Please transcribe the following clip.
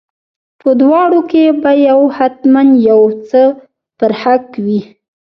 په دواړو کې به یو حتما یو څه پر حق وي.